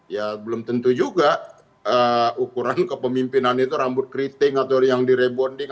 ya belum tentu juga ukuran kepemimpinan itu rambut keriting atau yang di rebonding